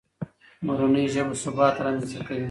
مورنۍ ژبه ثبات رامنځته کوي.